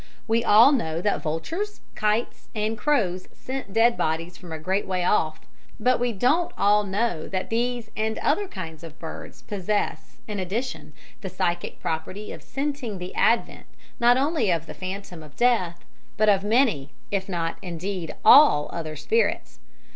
We all know that vultures, kites and crows scent dead bodies from a great way off, but we don't all know that these and other kinds of birds possess, in addition, the psychic property of scenting the advent not only of the phantom of death, but of many, if not, indeed, all other spirits.